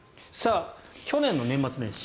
去年の年末年始